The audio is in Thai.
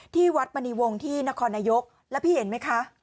ที่วัดมณีวงศ์ที่นครนายกแล้วพี่เห็นไหมคะ